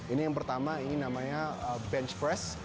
ini yang pertama ini namanya bench press